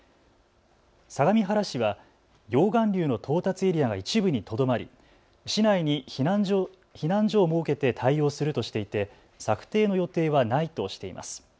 相模原市は溶岩流の到達エリアが一部にとどまり、市内に避難所を設けて対応するとしていて策定の予定はないとしています。